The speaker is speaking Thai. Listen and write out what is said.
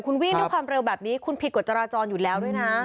คุณวิ่งด้วยความเร็วแบบนี้คุณผิดกฎจราจรอยู่แล้วด้วยนะ